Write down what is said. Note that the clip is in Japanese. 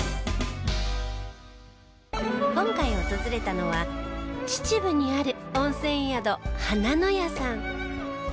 今回訪れたのは秩父にある温泉宿はなのやさん。